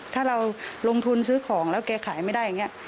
ถ้าเราลงทุนซื้อของแล้วแกขายไม่ได้อย่างนี้